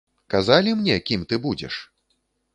Казалі мне, кім ты будзеш?